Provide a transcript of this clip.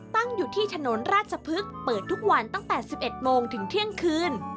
ตั้งอยู่ที่ถนนราชพฤกษ์เปิดทุกวันตั้งแต่๑๑โมงถึงเที่ยงคืน